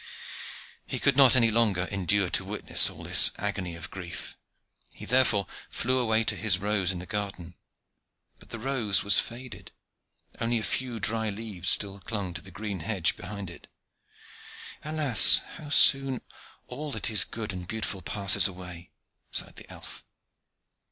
He could not any longer endure to witness all this agony of grief, he therefore flew away to his own rose in the garden. But the rose was faded; only a few dry leaves still clung to the green hedge behind it. "Alas! how soon all that is good and beautiful passes away," sighed the elf.